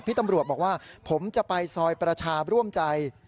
ตำรวจบอกว่าผมจะไปซอยประชาร่วมใจ